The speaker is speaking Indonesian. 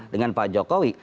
dengan pak jokowi